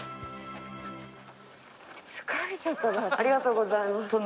ありがとうございます。